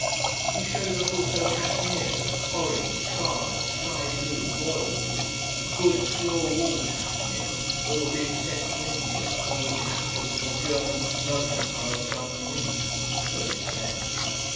He shows us also cashmeres, orange, scarlet, sky blue, royal blue: good, pure wool cashmeres that were being sent to India, and were captured from a German mercantile sub marine. So he says.